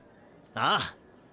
ああ。